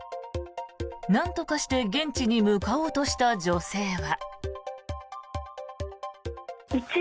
なんとかして現地に向かおうとした女性は。